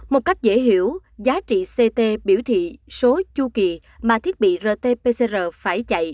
một cách dễ hiểu giá trị ct biểu thị số chu kỳ mà thiết bị rt pcr phải chạy